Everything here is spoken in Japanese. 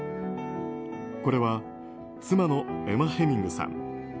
これは、妻のエマ・ヘミングさん